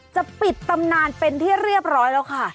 จะปิดตำนานเป็นที่เรียบร้อยแล้วค่ะ